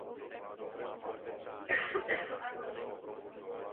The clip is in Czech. Potkává ji v zahradě a společně vzpomínají na začátek své skryté náklonnosti.